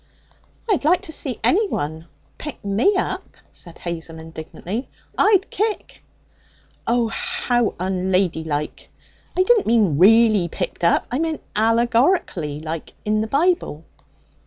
'I'd like to see anyone pick me up!' said Hazel indignantly. 'I'd kick!' 'Oh! how unladylike! I didn't mean really picked up! I meant allegorically like in the Bible.'